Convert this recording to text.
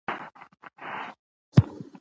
نو زما په فکر چې د کتاب پرمخ